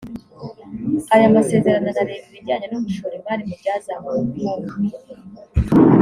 aya masezerano anareba ibijyanye no gushora imari mu byazamura ubukungu